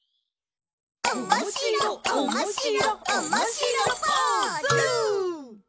おもしろおもしろおもしろポーズ！